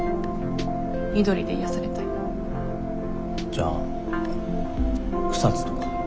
じゃあ草津とか？